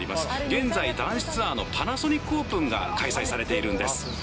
現在、男子ツアーのパナソニックオープンが開催されているんです。